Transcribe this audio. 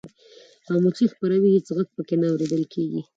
خاموشي خپره وي هېڅ غږ پکې نه اورېدل کیږي.